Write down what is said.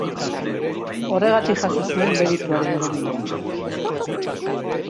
Horregatik jaso zuen Merituaren domina.